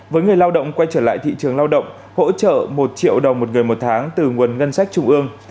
với người lao động quay trở lại thị trường lao động hỗ trợ một triệu đồng một người một tháng từ nguồn ngân sách trung ương